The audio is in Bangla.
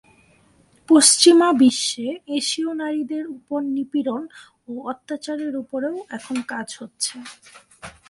পশ্চিমা বিশ্বে এশীয় নারীদের উপর নিপীড়ন ও অত্যাচারের উপরেও এখন কাজ হচ্ছে।